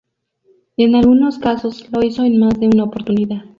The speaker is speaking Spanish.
En algunos casos lo hizo en más de una oportunidad.